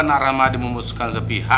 kenapa naram ada memutuskan sepihak